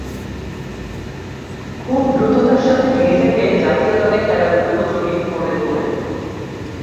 খুবই দ্রুততার সাথে নিজেকে জাতীয় দলে খেলার উপযোগী করে তোলেন।